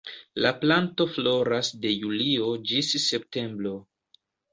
La planto floras de julio ĝis septembro.